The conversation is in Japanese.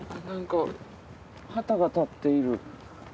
なんか旗が立っている。